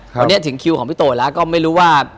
วันนี้ถึงคิวของพี่โตแล้วก็ไม่รู้ว่า